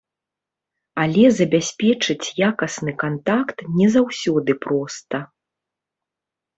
Але забяспечыць якасны кантакт не заўсёды проста.